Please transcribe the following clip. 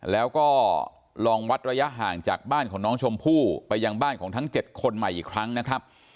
แล้วก็ลองวัดระยะห่างจากบ้านของน้องชมพู่ไปยังบ้านของทั้ง๗คนใหม่อีกครั้งนะครับ